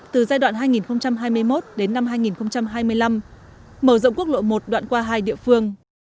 từ giai đoạn hai nghìn hai mươi một đến năm hai nghìn hai mươi năm mở rộng quốc lộ một đoạn qua hai địa phương